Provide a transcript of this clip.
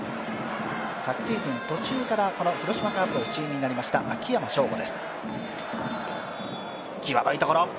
昨シーズン途中から広島カープの一員になりました秋山翔吾です。